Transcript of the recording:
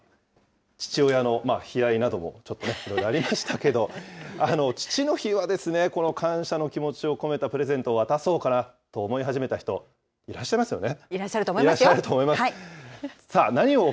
さあ、父親の悲哀などもちょっとね、ありましたけど、父の日はですね、この感謝の気持ちを込めたプレゼントを渡そうかなと思い始めた人、いらっしゃいますよね。